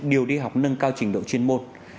điều đi học nâng cao trình độ chuyên môn